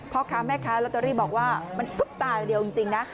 เพราะคำแม่ค้ารัตเตอรี่บอกว่ามันตายได้เดียวจริงนะ